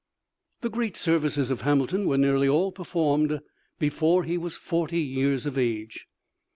The great services of Hamilton were nearly all performed before he was forty years of age.